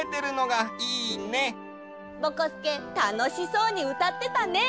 ぼこすけたのしそうにうたってたね！